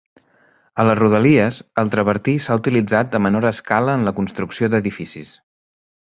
A les rodalies, el travertí s'ha utilitzat a menor escala en la construcció d'edificis.